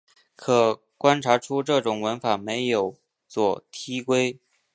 可观察出这种文法没有左递归。